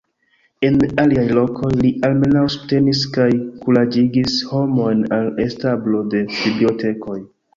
En aliaj lokoj li almenaŭ subtenis kaj kuraĝigis homojn al establo de bibliotekoj.